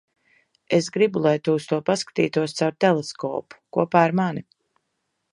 Es gribu, lai tu uz to paskatītos caur teleskopu - kopā ar mani.